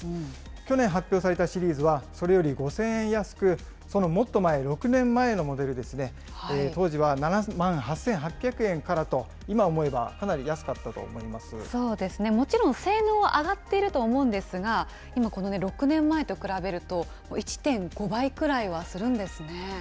去年発表されたシリーズは、それより５０００円安く、そのもっと前、６年前のモデルですね、当時は７万８８００円からと、今思えそうですね、もちろん性能上がってると思うんですが、今、この６年前と比べると、１．５倍くらいはするんですね。